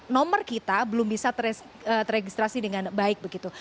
nomor kita belum bisa teregistrasi dengan baik begitu